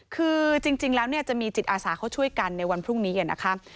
คือจริงแล้วจะมีจิตอาสาเขาช่วยกันในวันพรุ่งนี้นะคะ